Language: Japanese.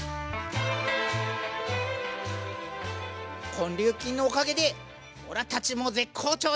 根粒菌のおかげでオラたちも絶好調だな！